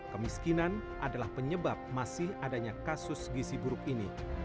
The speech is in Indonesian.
kemiskinan adalah penyebab masih adanya kasus gisi buruk ini